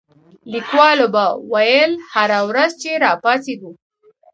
کلیوالو به ویل هره ورځ چې را پاڅېږو.